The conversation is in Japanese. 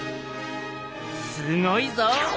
すごいぞ！